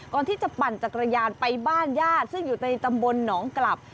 ก่อนที่จะปั่นจักรยานไปบ้านญาติซึ่งอยู่ในตำบลหนองกลับ